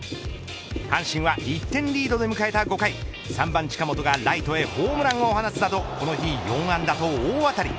阪神は１点リードで迎えた５回３番近本がライトへホームランを放つなどこの日４安打と大当たり。